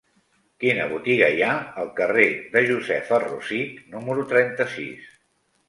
Quina botiga hi ha al carrer de Josefa Rosich número trenta-sis?